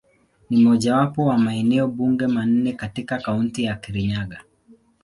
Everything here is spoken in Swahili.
Ni mojawapo wa maeneo bunge manne katika Kaunti ya Kirinyaga.